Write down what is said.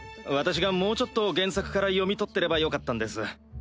私がもうちょっと原作から読み取ってればよかったんです。